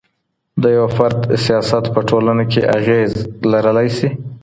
د يوه فرد سياست په ټولنه کي اغېز لرلای سي.